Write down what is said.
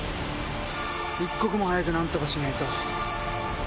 一刻も早く何とかしないと。